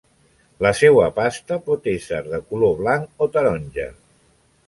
La seua pasta pot ésser de color blanc o taronja.